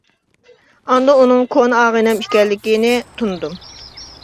ئاندىن ئۇنىڭ كونا ئاغىنەم ئىكەنلىكىنى تونۇدۇم.